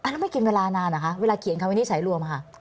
แล้วไม่กินเวลานานเหรอคะเวลาเขียนคำวินิจฉัยรวมค่ะ